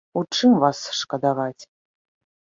У чым вас шкадаваць?